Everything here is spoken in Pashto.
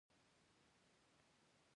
هغه د ښار له ککړتیا ناروغ شو.